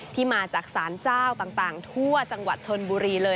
ที่มาจากสารเจ้าต่างทั่วจังหวัดชนบุรีเลย